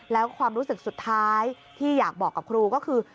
แล้วความรู้สึกสุดท้ายที่อยากบอกกับครูก็คือ